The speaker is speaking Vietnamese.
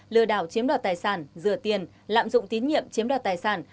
lừa đảo chiếm đoạt tài sản rửa tiền lạm dụng tín nhiệm chiếm đoạt tài sản